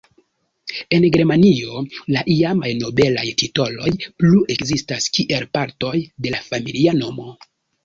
En Germanio la iamaj nobelaj titoloj plu ekzistas kiel partoj de la familia nomo.